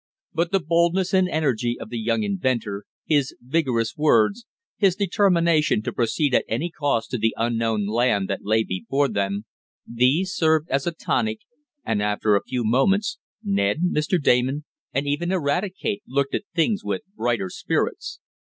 But the boldness and energy of the young inventor, his vigorous words, his determination to proceed at any cost to the unknown land that lay before them these served as a tonic, and after a few moments, Ned, Mr. Damon, and even Eradicate looked at things with brighter spirits.